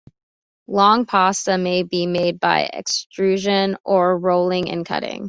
Long pasta may be made by extrusion or rolling and cutting.